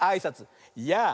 「やあ！」。